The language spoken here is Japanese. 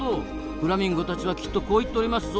フラミンゴたちはきっとこう言っておりますぞ。